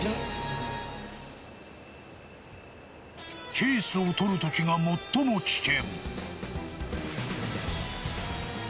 ケースを取るときが最も危険。